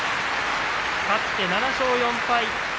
勝って７勝４敗。